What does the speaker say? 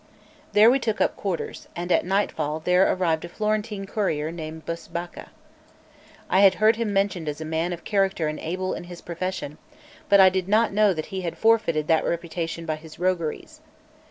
There we took up quarters, and at nightfall there arrived a Florentine courier named Busbacca. I had heard him mentioned as a man of character and able in his profession, but I did not know that he had forfeited that reputation by his rogueries.